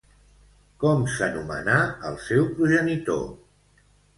Com s'anomenà el seu progenitor?